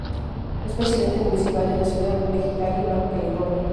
Es presidente municipal de la ciudad de Mexicali, Baja California.